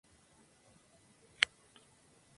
Ambos se distanciaron y respondieron a su partido.